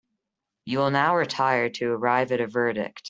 You will now retire to arrive at a verdict.